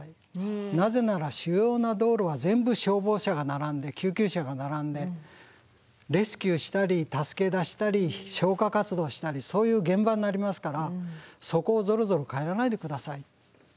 なぜなら主要な道路は全部消防車が並んで救急車が並んでレスキューしたり助け出したり消火活動したりそういう現場になりますからそこをゾロゾロ帰らないで下さい。